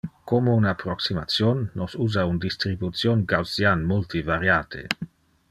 Como un approximation, nos usa un distribution gaussian multivariate.